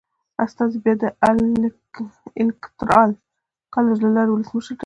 استازي بیا د الېکترال کالج له لارې ولسمشر ټاکي.